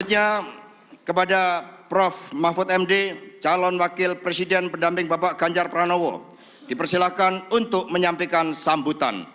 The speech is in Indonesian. selanjutnya kepada prof mahfud md calon wakil presiden pendamping bapak ganjar pranowo dipersilahkan untuk menyampaikan sambutan